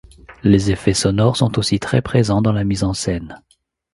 Les effets sonores sont aussi très présents dans la mise en scène.